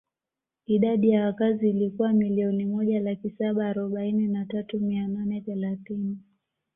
Idadi ya wakazi ilikuwa milioni moja laki saba arobaini na tatu mia nane thelathini